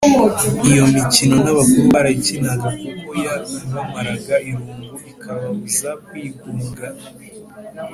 iyo mikino n’abakuru barayikinaga kuko yabamaraga irungu ikababuza kwigunga.